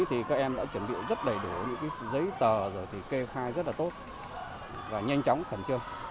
thì các em đã chuẩn bị rất đầy đủ giấy tờ kê khai rất tốt và nhanh chóng khẩn trương